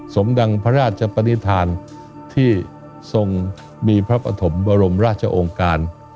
ดังพระราชปนิษฐานที่ทรงมีพระปฐมบรมราชองค์การ